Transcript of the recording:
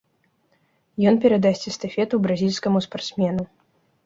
Ён перадасць эстафету бразільскаму спартсмену.